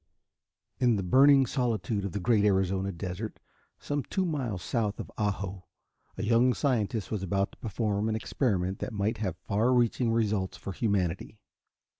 ] In the burning solitude of the great Arizona desert, some two miles south of Ajo, a young scientist was about to perform an experiment that might have far reaching results for humanity.